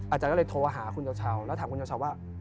อาจารย์ก็เลยโทรหาคุณเจ้าเช้าแล้วถามคุณเจ้าเช้าว่า